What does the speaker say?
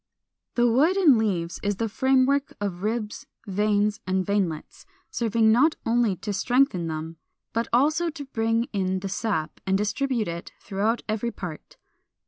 439. The wood in leaves is the framework of ribs, veins, and veinlets (125), serving not only to strengthen them, but also to bring in the sap, and to distribute it throughout every part.